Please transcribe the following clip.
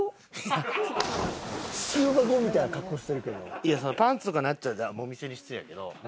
いやパンツとかになっちゃったらお店に失礼やけど。